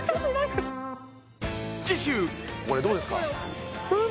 次週・これどうですか？